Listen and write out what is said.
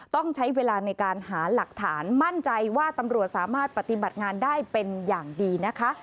ต้องใช้เวลาในการหาหลักฐานมั่นใจว่าตำรวจสามารถปฏิบัติงานได้เป็นอย่างดีนะคะ